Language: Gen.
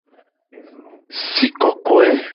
Si kokoe.